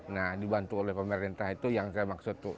nah dibantu oleh pemerintah itu yang saya maksud